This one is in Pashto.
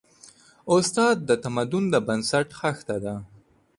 استاد د تمدن د بنسټ خښته ده.